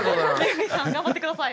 恵さん頑張って下さい。